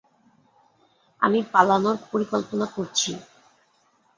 আমি পালানোর পরিকল্পনা করছি।